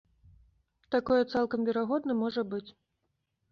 Такое цалкам верагодна можа быць.